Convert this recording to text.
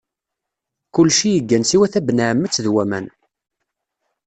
Kulci yeggan siwa tabenɛammet d waman.